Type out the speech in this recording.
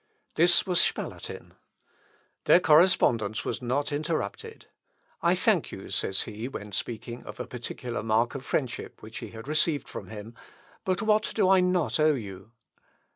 This was Spalatin. Their correspondence was not interrupted. "I thank you," says he, when speaking of a particular mark of friendship which he had received from him; "but what do I not owe you?"